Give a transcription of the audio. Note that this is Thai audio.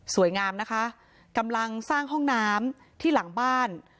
งามนะคะกำลังสร้างห้องน้ำที่หลังบ้าน